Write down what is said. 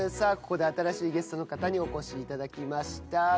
ここで新しいゲストの方にお越しいただきました。